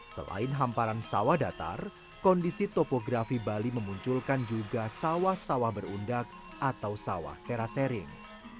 selain hamparan sawah datar kondisi topografi bali memunculkan juga sawah sawah berundak atau sawah terasering